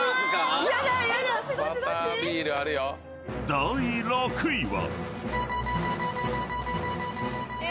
［第６位は］え！